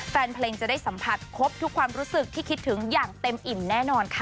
แฟนเพลงจะได้สัมผัสครบทุกความรู้สึกที่คิดถึงอย่างเต็มอิ่มแน่นอนค่ะ